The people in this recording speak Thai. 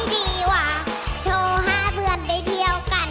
ฟ้าปล่อยเพลงมาเลยค่ะ